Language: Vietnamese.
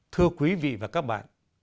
thưa quý vị và các bạn